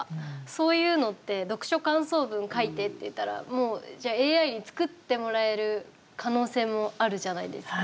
そういうのって「読書感想文書いて」って言ったら、もうじゃあＡＩに作ってもらえる可能性もあるじゃないですか。